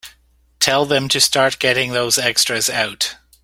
Tell them to start getting those extras out.